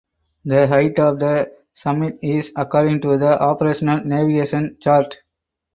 The height of the summit is according to the Operational Navigation Chart.